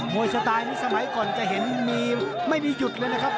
ยสไตล์นี้สมัยก่อนจะเห็นมีไม่มีหยุดเลยนะครับ